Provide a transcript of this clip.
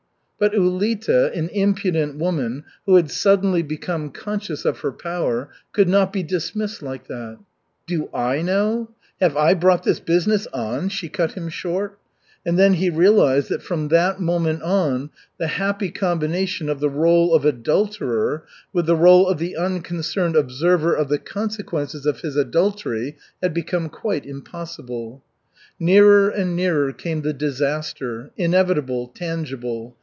But Ulita, an impudent woman, who had suddenly become conscious of her power, could not be dismissed like that. "Do I know? Have I brought this business on?" she cut him short. And then he realized that from that moment on the happy combination of the rôle of adulterer with the rôle of the unconcerned observer of the consequences of his adultery had become quite impossible. Nearer and nearer came the disaster, inevitable, tangible.